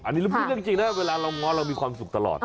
อันนี้เราพูดเรื่องจริงนะเวลาเราง้อเรามีความสุขตลอด